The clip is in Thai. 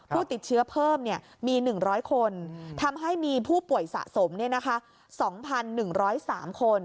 ผู้ติดเชื้อเพิ่มมี๑๐๐คนทำให้มีผู้ป่วยสะสม๒๑๐๓คน